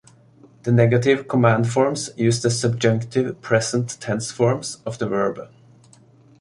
The negative command forms use the subjunctive present tense forms of the verb.